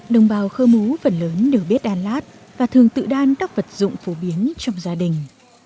đồng bào khơ mú phần lớn đều biết đan lát và thường tự đan các vật dụng phổ biến trong gia đình